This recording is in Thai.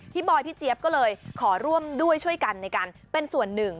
บอยพี่เจี๊ยบก็เลยขอร่วมด้วยช่วยกันในการเป็นส่วนหนึ่ง